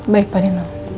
baik pak nino